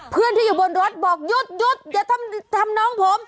เพื่อนที่อยู่บนรถบอกหยุดอย่าทำน้องผม